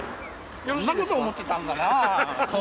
そんなこと思ってたんだなあ